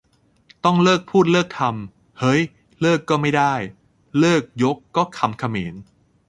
ต้องเลิกพูดเลิกทำ เฮ้ย เลิกก็ไม่ได้ 'เลิก' ยก ก็คำเขมร !